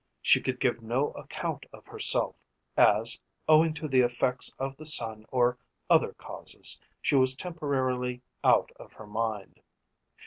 She could give no account of herself, as, owing to the effects of the sun or other causes, she was temporarily out of her mind.